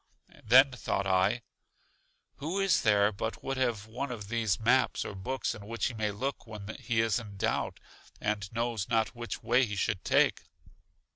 Then thought I: Who is there but would have one of these maps or books in which he may look when he is in doubt, and knows not which way he should take?